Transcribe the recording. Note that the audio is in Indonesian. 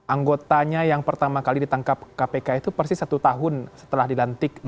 anggotanya yang pertama kali ditangkap kpk itu persis satu tahun setelah dilantik